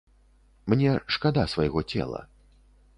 Мне шкада свайго цела.